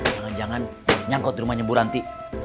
jangan jangan nyangkut rumahnya bu ranti